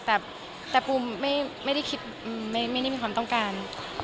แต่ปูไม่ได้มีความต้องการ